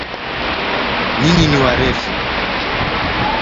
Nyinyi ni warefu